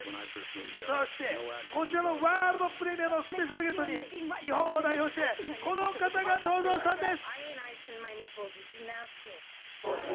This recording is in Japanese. そしてこちらのワールドプレミアのスペシャルゲストに日本を代表してこの方が登場したんです。